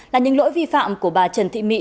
là những lỗi vi phạm của bà trần thị mỹ